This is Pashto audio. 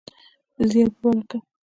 د زیار په برکت.